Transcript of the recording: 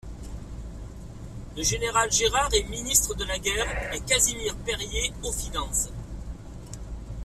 Le général Gérard est ministre de la Guerre, et Casimir Perier aux Finances!